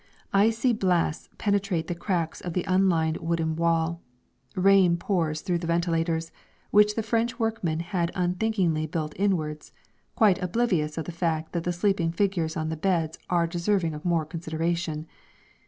Icy blasts penetrate the cracks of the unlined wooden wall, rain pours through the ventilators which the French workmen had unthinkingly built inwards quite oblivious of the fact that the sleeping figures on the beds are deserving of more consideration.